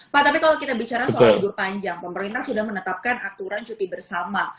pak tapi kalau kita bicara soal libur panjang pemerintah sudah menetapkan aturan cuti bersama